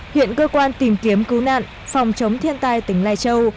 hiện cơ quan tìm kiếm cứu nạn phòng chống thiên tai tỉnh lai châu